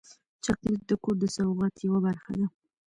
چاکلېټ د کور د سوغات یوه برخه ده.